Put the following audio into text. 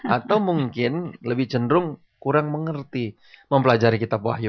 atau mungkin lebih cenderung kurang mengerti mempelajari kitab wahyu